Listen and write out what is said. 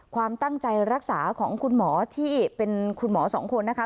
ความตั้งใจรักษาของคุณหมอที่เป็นคุณหมอสองคนนะคะ